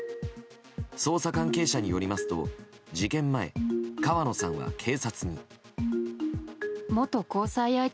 捜査関係者によりますと事件前、川野さんは警察に。